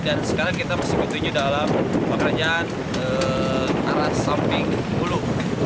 dan sekarang kita masih berhubungan dalam pengerjaan arah samping bulu